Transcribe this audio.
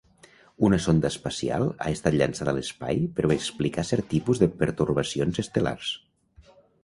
Una sonda espacial ha estat llançada a l'espai per explicar cert tipus de pertorbacions estel·lars.